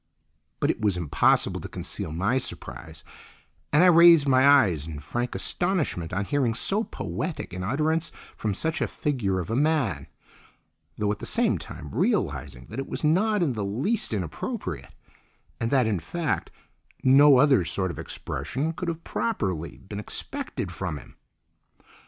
But it was impossible to conceal my surprise, and I raised my eyes in frank astonishment on hearing so poetic an utterance from such a figure of a man, though at the same time realising that it was not in the least inappropriate, and that, in fact, no other sort of expression could have properly been expected from him.